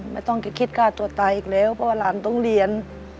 ไม่ต้องคิดฆ่าตัวตายอีกแล้วเพราะว่าหลานต้องเรียน